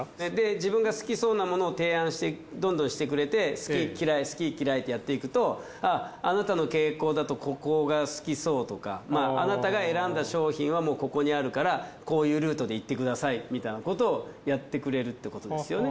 自分が好きそうなものを提案してどんどんしてくれて好き嫌い好き嫌いってやっていくとあっあなたの傾向だとここが好きそうとかあなたが選んだ商品はもうここにあるからこういうルートで行ってくださいみたいなことをやってくれるってことですよね。